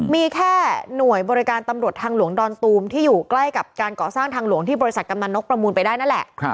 มีแค่หน่วยบริการตำรวจทางหลวงดอนตูมที่อยู่ใกล้กับการก่อสร้างทางหลวงที่บริษัทกำนันนกประมูลไปได้นั่นแหละ